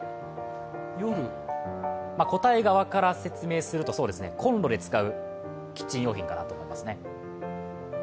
答え側から説明すると、こんろで使うキッチン用品かなと思いますね。